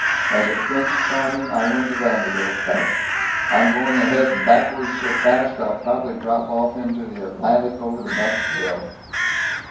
As a Prince Charming I win the Vanderbilt Cup. I'm going ahead backwards so fast I'll probably drop off into the Atlantic over the next hill!"